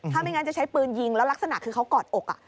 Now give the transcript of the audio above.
ถ้าไม่งั้นจะใช้ปืนยิงแล้วลักษณะคือเขากอดอก